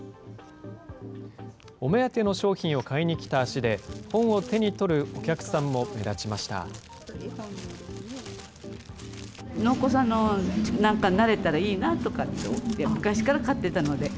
お目当ての商品を買いに来た足で本を手に取るお客さんも目立ちました。